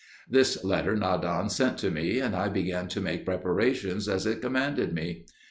This letter Nadan sent to me, and I began to make preparations as it commanded me.